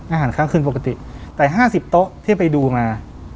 อาหารค้างคืนปกติแต่๕๐โต๊ะที่ไปดูมา